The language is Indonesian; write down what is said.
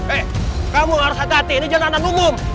eh kamu harus hati hati ini jonatan umum